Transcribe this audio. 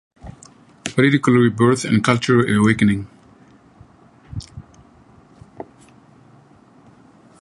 Demonstrators march for "political rebirth and cultural awakening".